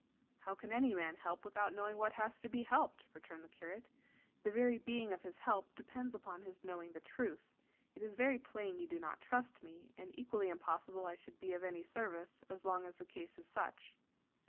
"How can any man help without knowing what has to be helped?" returned the curate. "The very being of his help depends upon his knowing the truth. It is very plain you do not trust me, and equally impossible I should be of any service as long as the case is such."